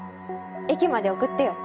駅まで送ってよ